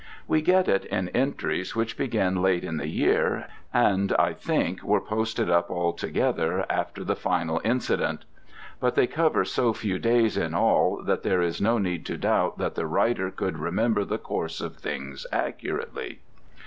We get it in entries which begin late in the year, and, I think, were posted up all together after the final incident; but they cover so few days in all that there is no need to doubt that the writer could remember the course of things accurately.